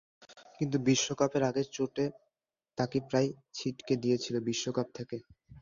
কিন্তু বিশ্বকাপের আগে চোট তাঁকে প্রায় ছিটকে দিয়েছিল বিশ্বকাপ থেকে।